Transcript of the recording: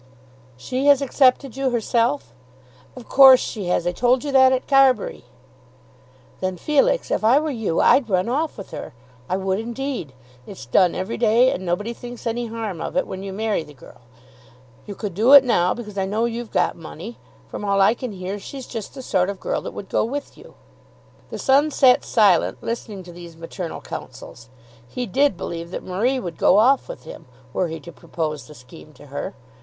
"She has accepted you, herself?" "Of course she has. I told you that at Carbury." "Then, Felix, if I were you I'd run off with her. I would indeed. It's done every day, and nobody thinks any harm of it when you marry the girl. You could do it now because I know you've got money. From all I can hear she's just the sort of girl that would go with you." The son sat silent, listening to these maternal councils. He did believe that Marie would go off with him, were he to propose the scheme to her.